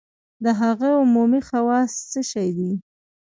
د هغو عمومي خواص څه شی دي؟